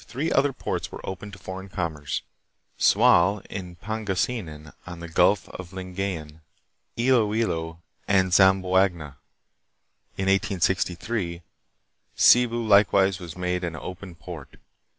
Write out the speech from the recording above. In 1855 three other ports were opened to foreign commerce Sual in Pangasinan on the Gulf of Lingaye"n, Iloilo, and Zamboanga. In 1863, Cebu likewise was made an open port.